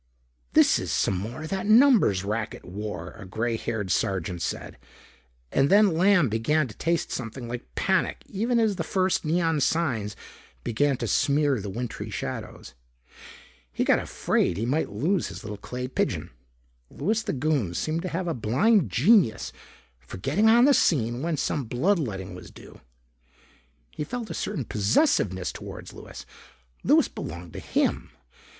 "This is some more of that numbers racket war," a gray haired sergeant said. And then Lamb began to taste something like panic even as the first neon signs began to smear the wintry shadows. He got afraid he might lose his little clay pigeon. Louis the Goon seemed to have a blind genius for getting on the scene when some blood letting was due. He felt a certain possessiveness toward Louis. Louis belonged to him.